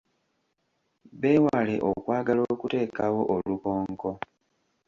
Beewale okwagala okuteekawo olukonko.